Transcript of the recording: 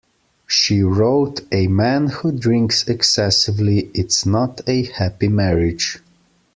She wrote, A man who drinks excessively, it's not a happy marriage.